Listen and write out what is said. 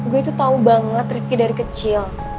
gue itu tahu banget rifki dari kecil